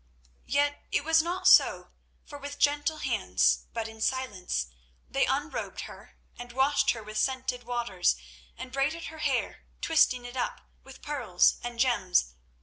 Yet it was not so, for with gentle hands, but in silence, they unrobed her, and washed her with scented waters and braided her hair, twisting it up with pearls and gems.